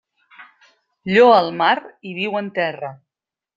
Lloa el mar i viu en terra.